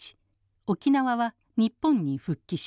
沖縄は日本に復帰します。